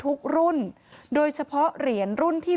เพราะทนายอันนันชายเดชาบอกว่าจะเป็นการเอาคืนยังไง